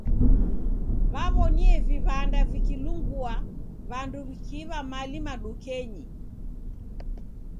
W'aw'onie iw'anda vikilungua, w'andu w'ikiiw'a mali madukenyi.